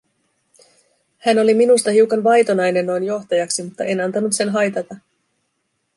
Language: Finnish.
Hän oli minusta hiukan vaitonainen noin johtajaksi, mutta en antanut sen haitata.